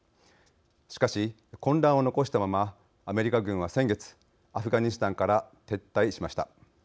しかし、混乱を残したままアメリカ軍は先月アフガニスタンから撤退しました。